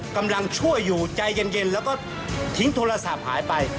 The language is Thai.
กำลังช่วยอยู่ใจเย็นแล้วก็ทิ้งโทรศัพท์หายไป